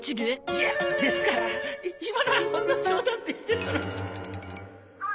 いやですから今のはほんの冗談でしてその。